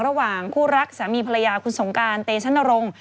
ระหว่างคู่รักสามีภรรยาคุณสงการเตชนรงค์